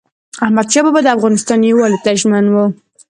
احمدشاه بابا د افغانستان یووالي ته ژمن و.